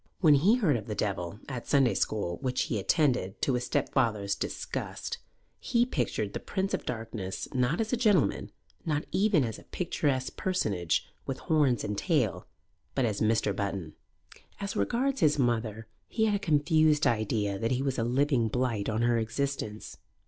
When he heard of the Devil, at Sunday school, which he attended, to his stepfather's disgust, he pictured the Prince of Darkness not as a gentleman, not even as a picturesque personage with horns and tail, but as Mr. Button. As regards his mother, he had a confused idea that he was a living blight on her existence.